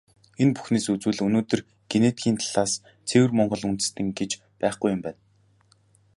Энэ бүхнээс үзвэл, өнөөдөр генетикийн талаас ЦЭВЭР МОНГОЛ ҮНДЭСТЭН гэж байхгүй юм байна.